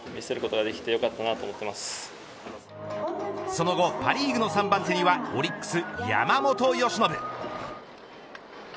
その後パ・リーグの３番手にはオリックス、山本由伸。